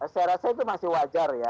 saya rasa itu masih wajar ya